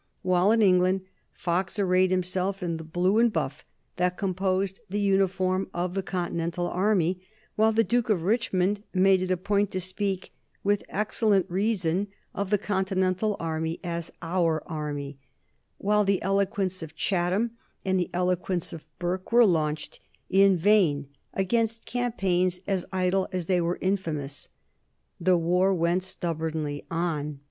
While in England Fox arrayed himself in the blue and buff that composed the uniform of the Continental Army, while the Duke of Richmond made it a point to speak, and with excellent reason, of the Continental Army as "our army," while the eloquence of Chatham and the eloquence of Burke were launched in vain against campaigns as idle as they were infamous, the war went stubbornly on.